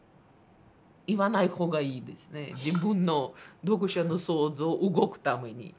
自分の読者の想像動くために。